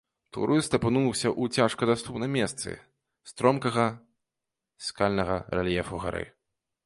Турыст апынуўся ў цяжкадаступным месцы стромкага скальнага рэльефу гары.